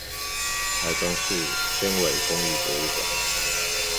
臺中市纖維工藝博物館